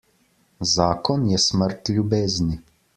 Zakon je smrt ljubezni.